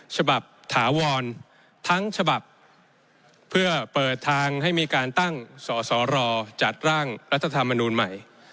ฉบับถาวรทั้งฉบับเพื่อเปิดทางให้มีการตั้งสสรจัดร่างรัฐธรรมนูลใหม่